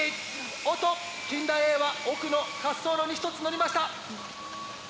おっと近大Ａは奥の滑走路に１つのりました！